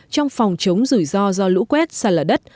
trong phòng chống rủi ro do lũ quét sạt lở đất